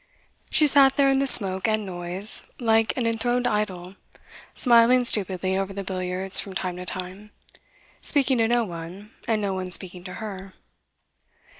She sat there in the smoke and noise, like an enthroned idol, smiling stupidly over the billiards from time to time, speaking to no one, and no one speaking to her.